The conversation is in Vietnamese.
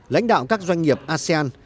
lãnh đạo các doanh nghiệp asean